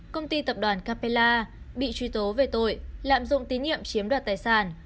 công ty tập đoàn capella bị truy tố về tội lạm dụng tín nhiệm chiếm đoạt tài sản